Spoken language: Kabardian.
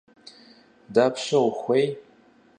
Дапщэ ухуей?